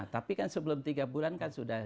tapi kan sebelum tiga bulan kan sudah